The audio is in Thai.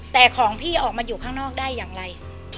แต่ของพี่ออกมาอยู่ข้างนอกได้อย่างไร